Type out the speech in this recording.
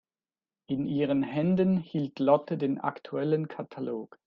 In ihren Händen hielt Lotte den aktuellen Katalog.